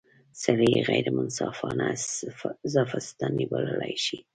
سړی یې غیر منصفانه اضافه ستانۍ بللای شي.